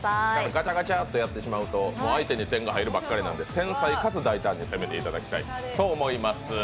ガチャガチャとやってしまうと相手に点が入るばっかりなので繊細かつ大胆に攻めていただきたいと思います。